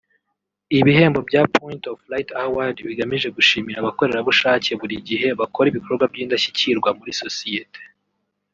Ibihembo bya Point of Light award bigamije gushimira abakorerabushake buri gihe bakora ibikorwa by’indashyikirwa muri sosiyete